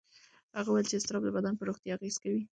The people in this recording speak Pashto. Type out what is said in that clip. هغه وویل چې اضطراب د بدن پر روغتیا اغېز کوي.